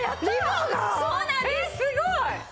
すごい！